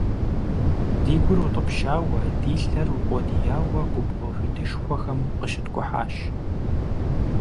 Ди гур утӀыпщауэ, ди лъэр укъуэдияуэ губгъуэ хуитышхуэхэм къыщыткӀухьащ.